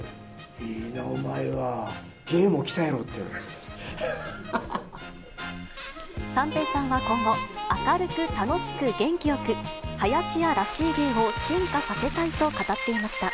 いいな、お前は、芸も鍛えろと言三平さんは今後、明るく、楽しく、元気よく、林家らしい芸を進化させたいと語っていました。